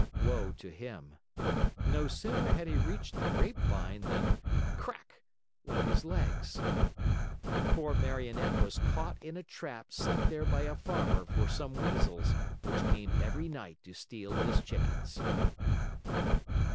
Woe to him! No sooner had he reached the grapevine than crack! went his legs. The poor Marionette was caught in a trap set there by a Farmer for some Weasels which came every night to steal his chickens.